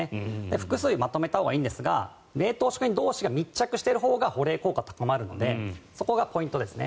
複数まとめたほうがいいんですが冷凍食品同士が密着しているほうが保冷効果が高まるのでそこがポイントですね。